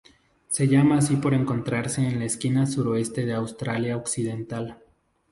Se llama así por encontrarse en la esquina suroeste de Australia Occidental.